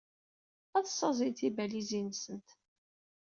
Ad ssaẓyent tibalizin-nsent.